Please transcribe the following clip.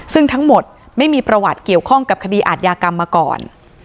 ซึ่งทั้งหมดไม่มีประวัติเกี่ยวข้องกับคดีอาทยากรรมมาก่อน